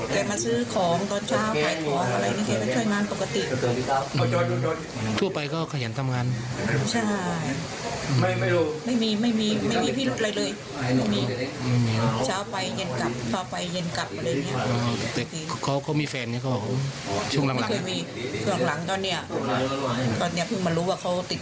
เขาเขามีแฟนเขาช่วงหลังตอนเนี้ยเพิ่งมารู้ว่าเขาติด